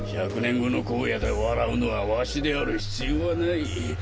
１００年後の荒野で笑うのはわしである必要はない。